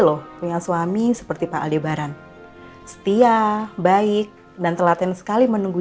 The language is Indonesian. loh punya suami seperti pak ali baran setia baik dan telaten sekali menunggu